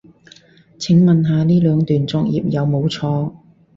請問下呢兩段作業有冇錯